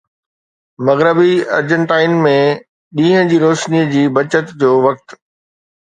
مغربي ارجنٽائن ۾ ڏينهن جي روشني جي بچت جو وقت